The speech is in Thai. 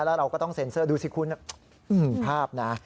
แล้วเราก็ต้องเซ็นเซอร์ดูสิคุณภาพนะ